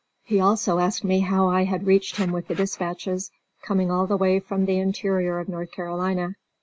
He also asked me how I had reached him with the dispatches, coming all the way from the interior of North Carolina.